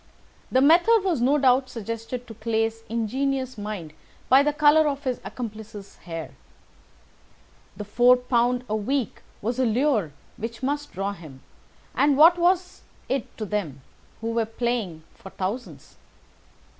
The method was no doubt suggested to Clay's ingenious mind by the colour of his accomplice's hair. The £ 4 a week was a lure which must draw him, and what was it to them, who were playing for thousands?